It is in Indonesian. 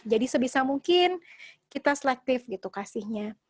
jadi sebisa mungkin kita selektifkan